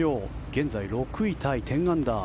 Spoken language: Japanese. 現在６位タイ１０アンダー。